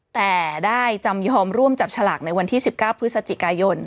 แต่ได้จำยอมร่วมจับฉลากในวันที่๑๙พฤศจิกายน